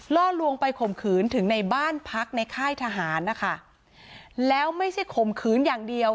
ล่อลวงไปข่มขืนถึงในบ้านพักในค่ายทหารนะคะแล้วไม่ใช่ข่มขืนอย่างเดียว